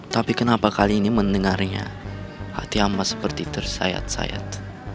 tapi kenapa kali ini mendengarnya hati hamba seperti tersayat sayat